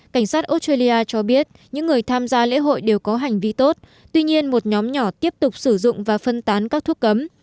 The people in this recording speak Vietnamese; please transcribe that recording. cảnh sát australia cho biết những người tham gia lễ hội đều có hành vi tốt tuy nhiên một nhóm nhỏ tiếp tục sử dụng và phân tán các thuốc cấm